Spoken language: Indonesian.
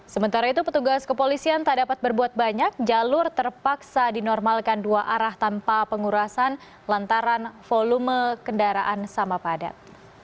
sementara itu petugas kepolisian tak dapat berbuat banyak jalur terpaksa dinormalkan dua arah tanpa pengurasan lantaran volume kendaraan sama padat